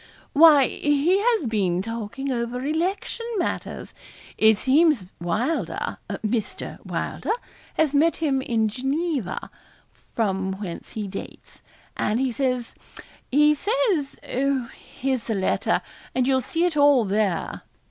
'Why, he has been talking over election matters. It seems Wylder Mr. Wylder has met him in Geneva, from whence he dates; and he says he says oh, here's the letter, and you'll see it all there.'